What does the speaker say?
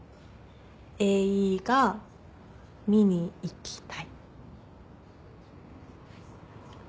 映画見に行きたい。